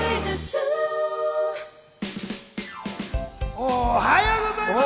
おはようございます！